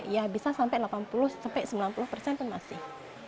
ya bisa sampai delapan puluh sampai sembilan puluh persen pun masih